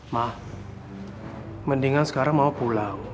mah mendingan sekarang mau pulang